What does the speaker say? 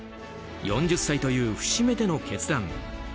４０歳という節目での決断。